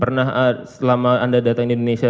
pernah selama anda datang di indonesia